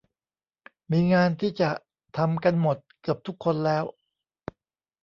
มีงานที่จะทำกันหมด เกือบทุกคนแล้ว